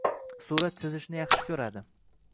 Surat chizishni yaxshi ko`radi